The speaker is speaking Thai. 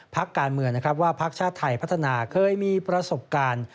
ภักดิ์การเมืองว่าภักดิ์ชาติไทยพัฒนาเคยมีประสบการณ์